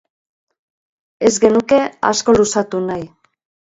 Ez genuke asko luzatu nahi.